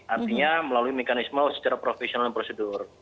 artinya melalui mekanisme secara profesional dan prosedur